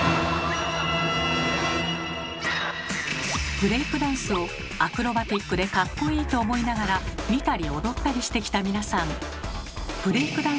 ブレイクダンスをアクロバティックでかっこいいと思いながら見たり踊ったりしてきた皆さん。